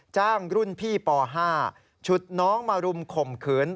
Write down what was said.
จ้างรุ่นพี่ป๕ฉุดน้องมารุมข่มขืน